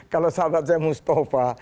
kalau sahabat saya mustafa